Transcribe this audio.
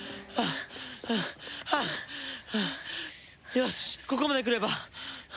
よしここまで来れば。